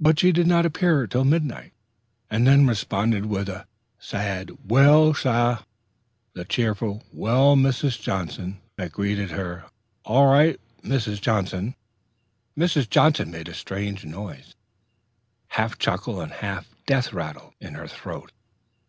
But she did not appear till midnight, and then responded with but a sad "Well, sah!" to the cheerful "Well, Mrs. Johnson!" that greeted her. "All right, Mrs. Johnson?" Mrs. Johnson made a strange noise, half chuckle and half death rattle, in her throat.